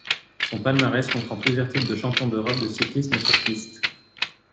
Son palmarès comprend plusieurs titres de champion d'Europe de cyclisme sur piste.